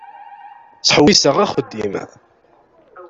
Ttḥewwiseɣ axeddim.